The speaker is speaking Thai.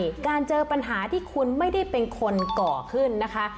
ใช่การเจอปัญหาที่คุณไม่ได้เป็นคนก่อขึ้นนะคะ